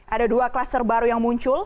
ada dua klaster baru yang muncul